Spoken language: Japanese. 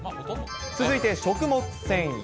続いて食物繊維。